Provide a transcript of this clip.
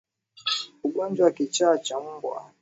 Ugonjwa wa kichaa cha mbwa